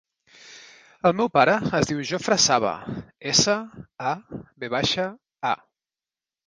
El meu pare es diu Jofre Sava: essa, a, ve baixa, a.